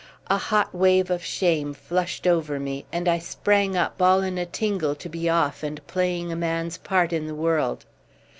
A hot wave of shame flushed over me, and I sprang up all in a tingle to be off and playing a man's part in the world.